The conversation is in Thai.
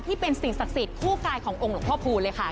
สิ่งศักดิ์สิทธิ์คู่กายขององค์หลวงพ่อพูนเลยค่ะ